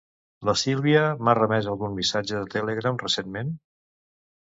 La Sílvia m'ha remès algun missatge de Telegram recentment?